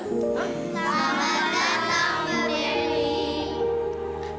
selamat datang bu dewi